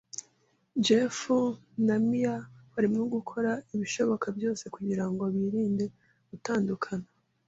Jeff na Mia barimo gukora ibishoboka byose kugirango birinde gutandukana.